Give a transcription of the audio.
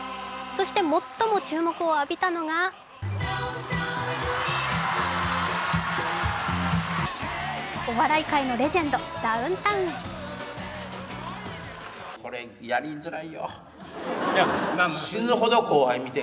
そして、最も注目を浴びたのがお笑い界のレジェンド、ダウンタウン。